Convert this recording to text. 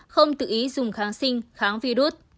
không tự ý dùng kháng sinh kháng virus